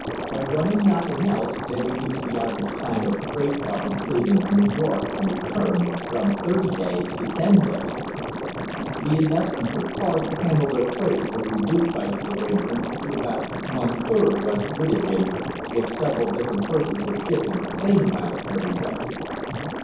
By running nothing else they reduced the average time of a freight car from Cleveland to New York and return from thirty days to ten days. The investment for cars to handle their freight was reduced by this arrangement to about one third what it would have been if several different persons were shipping the same amount every day.